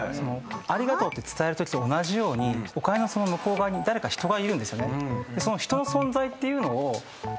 「ありがとう」って伝えるときと同じようにお金の向こう側に誰か人がいるんですよね。